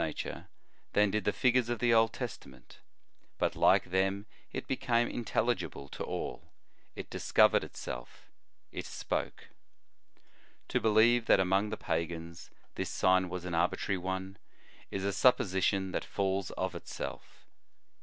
119 nature than did the figures of the Old Testa ment, but like them it became intelligible to all ; it discovered itself, it spoke. To believe that among the pagans this sign was an arbitrary one, is a supposition that falls of itself.